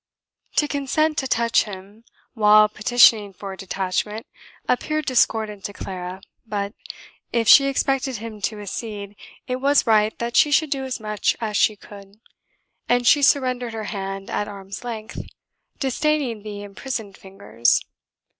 To consent to touch him while petitioning for a detachment, appeared discordant to Clara, but, if she expected him to accede, it was right that she should do as much as she could, and she surrendered her hand at arm's length, disdaining the imprisoned fingers.